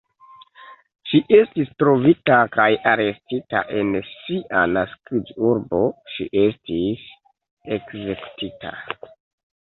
Ŝi estis trovita kaj arestita, en sia naskiĝurbo ŝi estis ekzekutita.